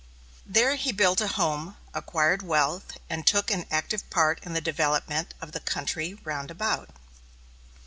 There he built a home, acquired wealth, and took an active part in the development of the country round about.